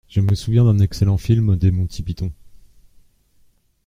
Je me souviens d’un excellent film des Monty Python.